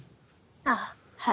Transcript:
あっはい。